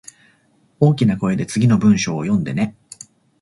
大きな声で次の文章を読んでね